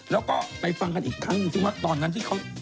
แล้วก็ไปฟังกันอีกครั้งหนึ่งซิว่าตอนนั้นที่เขา